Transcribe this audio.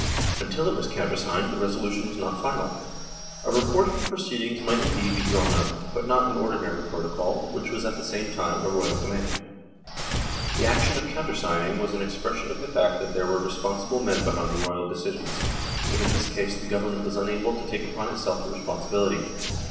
Until it was countersigned, the resolution was not final. A report of the pro ceedings might indeed be drawn up, but not an ordinary protocol, which was at the same time a royal command. The action of countersigning was an expression of the fact that there were responsible men behind the royal decisions, but in this case the Government was unable to take upon itself the responsibility.